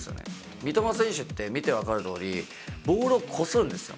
三笘選手って見て分かるとおり、ボールをこするんです。